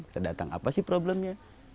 kita datang apa sih problemnya